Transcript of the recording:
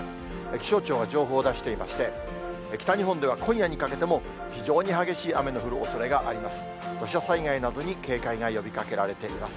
気象庁が情報を出していまして、北日本では今夜にかけても非常に激しい雨の降るおそれがあります。